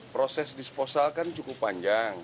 proses disposal kan cukup panjang